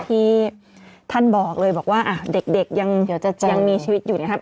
ที่ท่านบอกเลยบอกว่าเด็กยังมีชีวิตอยู่นะครับ